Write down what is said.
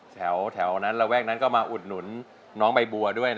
แล้วเห็นให้บอกว่าเต้นได้ด้วย